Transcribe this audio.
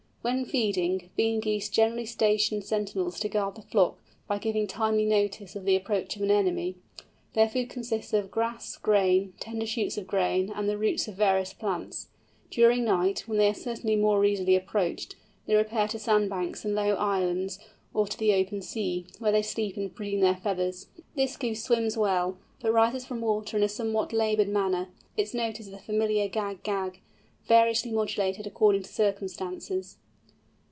When feeding, Bean Geese generally station sentinels to guard the flock by giving timely notice of the approach of an enemy. Their food consists of grass, grain, tender shoots of grain, and the roots of various plants. During night, when they are certainly more easily approached, they repair to sand banks and low islands, or to the open sea, where they sleep and preen their feathers. This Goose swims well, but rises from water in a somewhat laboured manner. Its note is the familiar gag gag, variously modulated according to circumstances.